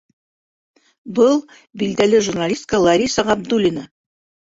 Был -билдәле журналистка Лариса Ғабдуллина.